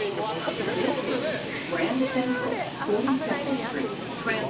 一応、今まで危ない目に遭ってないです。